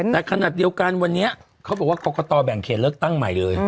แต่ขนาดเดียวกันวันนี้เขาบอกว่ากรกตแบ่งเขตเลือกตั้งใหม่เลย